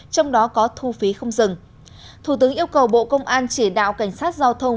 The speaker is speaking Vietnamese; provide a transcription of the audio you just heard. trong đó có thu phí không dừng thủ tướng yêu cầu bộ công an chỉ đạo cảnh sát giao thông